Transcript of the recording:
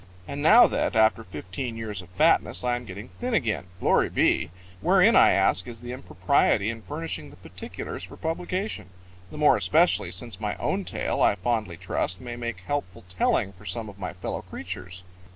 And now that, after fifteen years of fatness, I am getting thin again glory be! wherein, I ask, is the impropriety in furnishing the particulars for publication; the more especially since my own tale, I fondly trust, may make helpful telling for some of my fellow creatures?